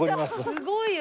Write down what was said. すごいよ！